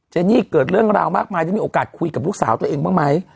นี่เกิดเรื่องราวมากมายได้มีโอกาสคุยกับลูกสาวตัวเองบ้างไหม